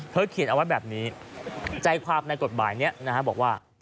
เขียนเอาไว้แบบนี้ใจความในกฎหมายนี้นะฮะบอกว่า